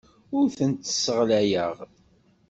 Ur tent-sseɣlayeɣ.